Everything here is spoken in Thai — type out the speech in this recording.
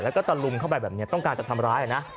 แล้วก็ตะลุมเข้าไปแบบนี้ต้องการจะทำร้ายนะ